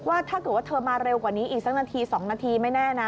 ถ้าเกิดว่าเธอมาเร็วกว่านี้อีกสักนาที๒นาทีไม่แน่นะ